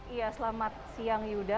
iya selamat siang yuda